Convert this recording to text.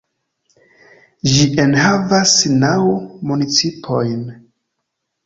Ĝi enhavas naŭ municipojn.